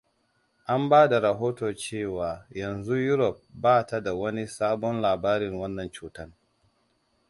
An bada rahoto cewa yanzu Europe ba ta da wani sabon labarin wannan cutan.